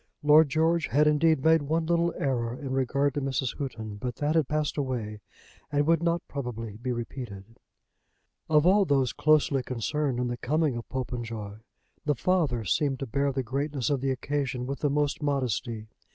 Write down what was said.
Lord George had indeed made one little error in regard to Mrs. Houghton; but that had passed away and would not probably be repeated. Of all those closely concerned in the coming of Popenjoy the father seemed to bear the greatness of the occasion with the most modesty.